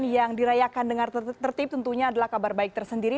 yang saya akan dengar tertib tentunya adalah kabar baik tersendiri